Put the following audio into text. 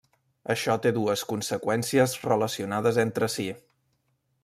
Això té dues conseqüències relacionades entre si.